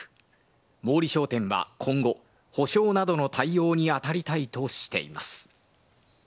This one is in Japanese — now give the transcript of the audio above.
毛利商店は今後、補償などの対応などに当たりたいとしています。